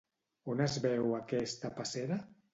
On es veu aquesta passera?